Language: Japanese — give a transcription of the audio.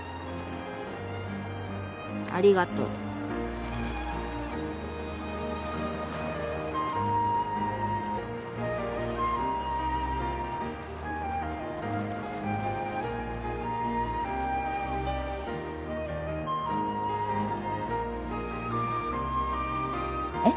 ありがとう。えっ？